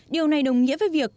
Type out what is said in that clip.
điều này đồng nghĩa với việc